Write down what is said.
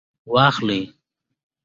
واخلئ